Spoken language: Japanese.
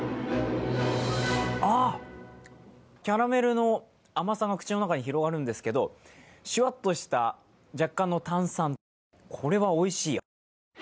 あっ、キャラメルの甘さが口の中に広がるんですけど、しゅわっとした若干の炭酸、これはおいしい。